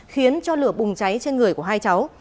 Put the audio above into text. khiến cho lửa bùng cháy trên người của hai cháu